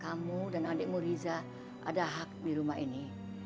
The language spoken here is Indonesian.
kamu dan adikmu riza ada hak di rumah ini